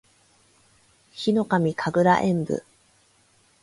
ヒノカミ神楽円舞（ひのかみかぐらえんぶ）